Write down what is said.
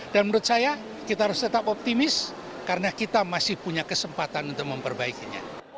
dan menurut saya kita harus tetap optimis karena kita masih punya kesempatan untuk memperbaikinya